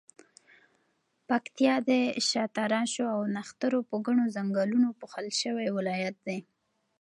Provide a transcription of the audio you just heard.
پکتیا د شاتراشو او نښترو په ګڼو ځنګلونو پوښل شوی ولایت دی.